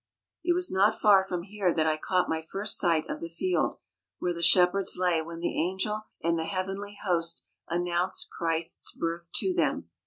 It was not far from here that I caught my first sight of the field where the shepherds lay when the angel and the heavenly host announced Christ's birth to them.